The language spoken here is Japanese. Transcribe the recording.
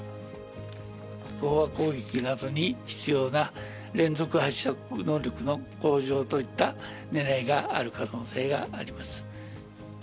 飽和攻撃などに必要な連続発射能力の向上といったねらいがある可能性があります。